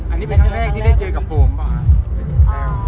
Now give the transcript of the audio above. อันนี้เป็นครั้งแรกที่ได้เจอกับผมเปล่าครับ